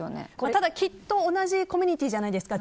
ただきっと同じコミュニティーじゃないですか。